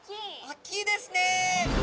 大きいですね。